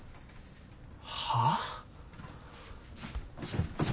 はあ？